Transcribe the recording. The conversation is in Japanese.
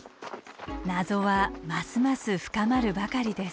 謎はますます深まるばかりです。